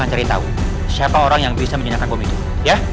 cari tahu siapa orang yang bisa menyenangkan bom itu ya